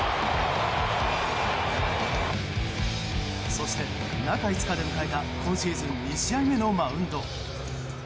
そして、中５日で迎えた今シーズン２試合目のマウンド。